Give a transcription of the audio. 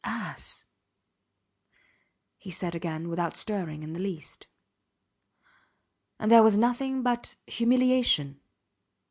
ass, he said again without stirring in the least. And there was nothing but humiliation.